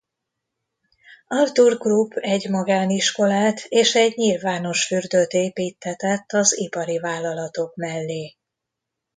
Arthur Krupp egy magániskolát és egy nyilvános fürdőt építtetett az ipari vállalatok mellé.